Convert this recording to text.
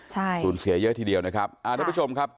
ใช่สูญเสียเยอะทีเดียวนะครับอ่าทุกผู้ชมครับ